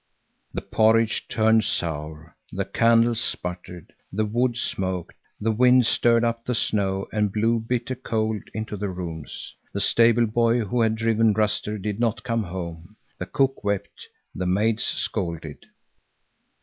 The porridge turned sour; the candles sputtered; the wood smoked; the wind stirred up the snow and blew bitter cold into the rooms. The stable boy who had driven Ruster did not come home. The cook wept; the maids scolded.